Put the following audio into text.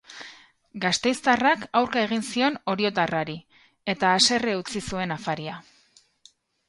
Gasteiztarrak aurka egin zion oriotarrari, eta haserre utzi zuen afaria.